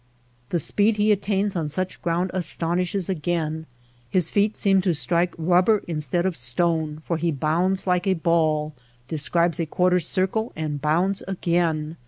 The speed he attains on such ground aston ishes again. His feet seem to strike rubber in stead of stone ; for he bounds like a ball, de scribes a quarter circle, and bounds again.